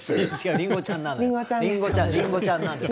りんごちゃんです。